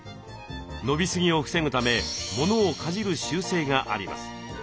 伸びすぎを防ぐため物をかじる習性があります。